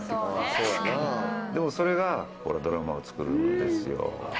でもそれがドラマを作るんですよ。